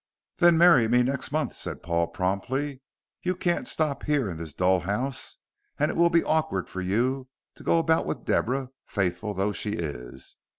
"Then marry me next month," said Paul, promptly. "You can't stop here in this dull house, and it will be awkward for you to go about with Deborah, faithful though she is.